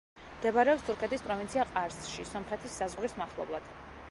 მდებარეობს თურქეთის პროვინცია ყარსში, სომხეთის საზღვრის მახლობლად.